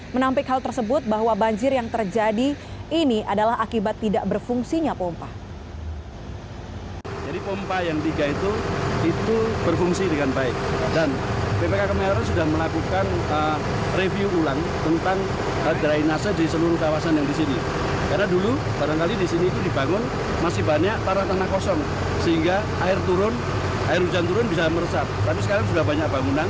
menampik hal tersebut bahwa banjir yang terjadi ini adalah akibat tidak berfungsinya pompa